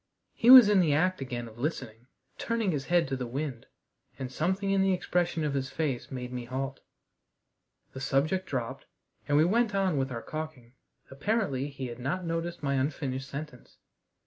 He was in the act again of listening, turning his head to the wind, and something in the expression of his face made me halt. The subject dropped, and we went on with our caulking. Apparently he had not noticed my unfinished sentence.